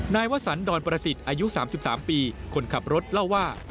วสันดอนประสิทธิ์อายุ๓๓ปีคนขับรถเล่าว่า